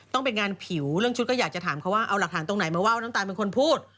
ต้องเป็นงานผิวเรื่องชุดก็อยากจะถามเขาว่าเอาหลักฐานตรงไหนมาว่าน้ำตาลเป็นคนพูด